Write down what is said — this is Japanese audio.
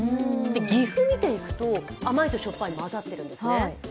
岐阜を見ていくと、甘いとしょっぱいが混ざってるんですね。